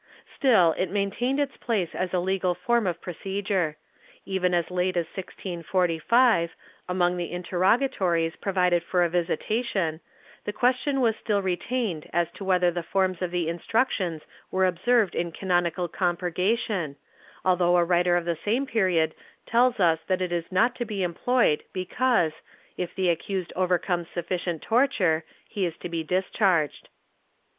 Still, it main tained its place as a legal form of procedure. Even as late as 1645, among the interrogatories provided for a visitation, the question was still retained as to whether the forms of the Instruc tions were observed in canonical compurgation, although a writer of the same period tells us that it is not to be employed be cause, if the accused overcomes sufficient torture, he is to be discharged.